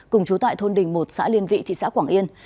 cùng chú tại thôn đình một xã liên vị thị xã quảng yên